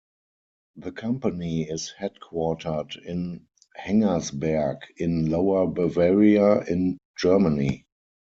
The company is headquartered in Hengersberg, in Lower-Bavaria in Germany.